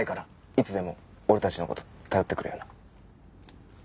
いつでも俺たちの事頼ってくれよな。